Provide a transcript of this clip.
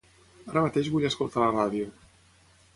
Ara mateix vull escoltar la ràdio.